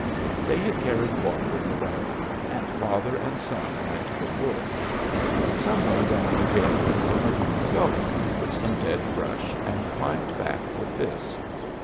They had carried water in the wagon, and father and son went for wood. Some way down the hill they came upon a gully with some dead brush, and climbed back with this.